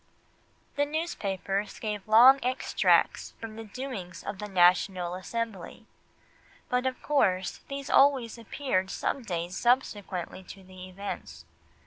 The newspapers gave long extracts from the doings of the National Assembly, but of course these always appeared some days subsequently to the events.